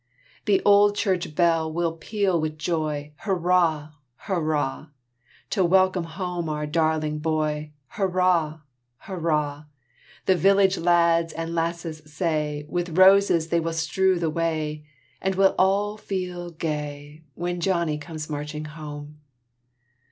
The old church bell will peal with joy, Hurrah! hurrah! To welcome home our darling boy, Hurrah! hurrah! The village lads and lasses say, With roses they will strew the way; And we'll all feel gay, When Johnny comes marching home.